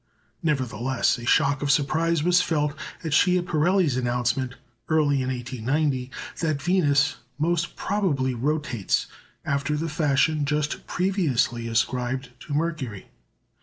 Nevertheless, a shock of surprise was felt at Schiaparelli's announcement, early in 1890, that Venus most probably rotates after the fashion just previously ascribed to Mercury.